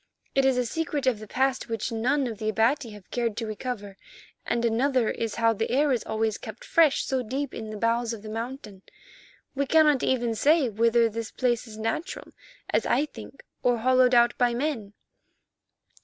It is a secret of the past which none of the Abati have cared to recover, and another is how the air is always kept fresh so deep in the bowels of the mountain. We cannot even say whether this place is natural, as I think, or hollowed out by men."